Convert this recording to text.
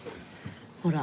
ほら。